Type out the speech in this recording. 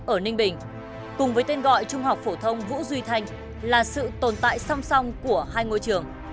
ở ninh bình cùng với tên gọi trung học phổ thông vũ duy thanh là sự tồn tại song song của hai ngôi trường